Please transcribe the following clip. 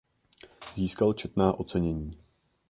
Získal četná ocenění.